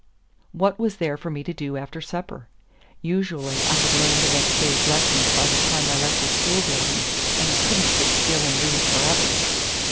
What was there for me to do after supper? Usually I had learned next day's lessons by the time I left the school building, and I could n't sit still and read forever.